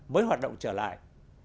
mới hoạt động trở lại